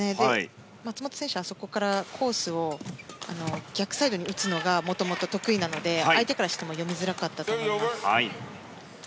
松本選手は、そこからコースを逆サイドに打つのがもともと得意なので相手からしたら読みづらかったと思います。